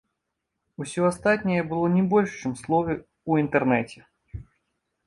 Усё астатняе было не больш чым словы ў інтэрнэце.